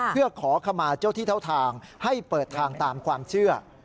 เพื่อขอขมาเจ้าที่เท่าทางให้เปิดทางตามความเชื่อ